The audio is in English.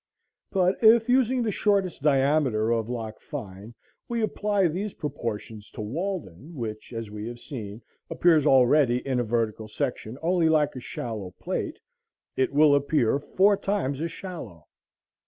But if, using the shortest diameter of Loch Fyne, we apply these proportions to Walden, which, as we have seen, appears already in a vertical section only like a shallow plate, it will appear four times as shallow.